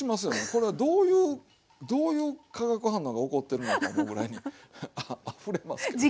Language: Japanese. これはどういうどういう化学反応が起こってるのか思うぐらいにあふれますけども。